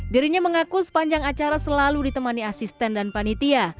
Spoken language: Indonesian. dirinya mengaku sepanjang acara selalu ditemani asisten dan panitia